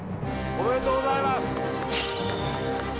おめでとうございます。